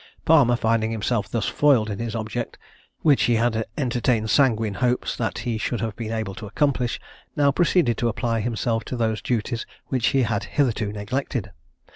Palmer finding himself thus foiled in his object, which he had entertained sanguine hopes that he should have been able to accomplish, now proceeded to apply himself to those duties which he had hitherto neglected.